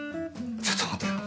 ちょっと待てよ。